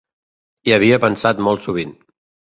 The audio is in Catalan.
Hi havia pensat molt sovint.